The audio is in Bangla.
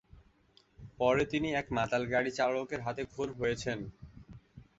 পরে তিনি এক মাতাল গাড়ি চালকের হাতে খুন হয়ে যান।